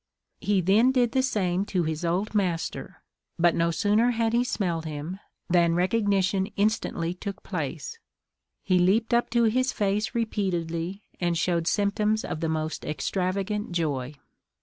He then did the same to his old master; but no sooner had he smelt him, than recognition instantly took place; he leaped up to his face repeatedly, and showed symptoms of the most extravagant joy.